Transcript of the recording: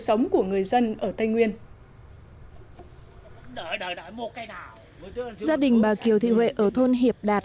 sống của người dân ở tây nguyên gia đình bà kiều thị huệ ở thôn hiệp đạt